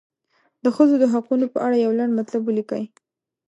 د ښځو د حقونو په اړه یو لنډ مطلب ولیکئ.